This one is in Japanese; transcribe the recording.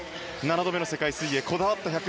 ７度目の世界水泳こだわった１００ｍ。